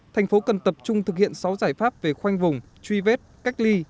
thành phố cần tập trung thực hiện sáu giải pháp về khoanh vùng truy vết cách ly